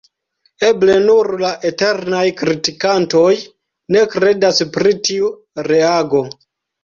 Eble nur la eternaj kritikantoj ne kredas pri tiu reago.